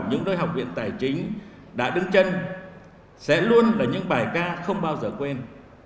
những nơi học viện tài chính đã đứng chân sẽ luôn là những bài ca không bao giờ quên